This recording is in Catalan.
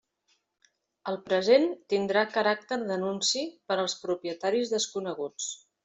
El present tindrà caràcter d'anunci per als propietaris desconeguts.